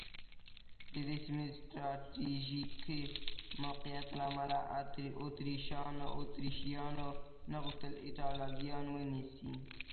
د دې سیمې د سټراټېژیک موقعیت له امله اتریشیانو نه غوښتل ایټالویان ونیسي.